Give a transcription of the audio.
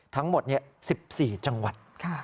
ทั้งหมด๑๔จังหวัด